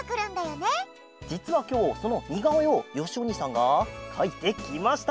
じつはきょうそのにがおえをよしおにいさんがかいてきました！